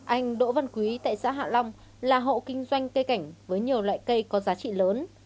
anh đỗ văn quý tại xã hạ long là hộ kinh doanh cây cảnh với nhiều loại cây có giá trị lớn